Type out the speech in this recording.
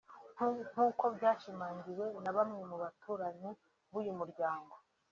nk’uko byashimangiwe na bamwe mu baturanyi b’uyu muryango